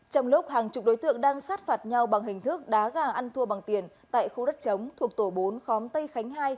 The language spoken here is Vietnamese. trong lúc hàng chục đối tượng đang sát phạt nhau bằng hình thức đá gà ăn thua bằng tiền tại khu đất chống thuộc tổ bốn khóm tây khánh hai